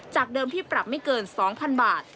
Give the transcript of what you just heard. เดิมที่ปรับไม่เกิน๒๐๐๐บาท